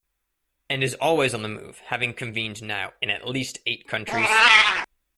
And is always on the move, having convened now in at least eight countries.